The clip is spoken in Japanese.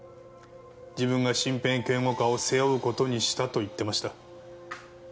自分が身辺警護課を背負う事にしたと言ってました。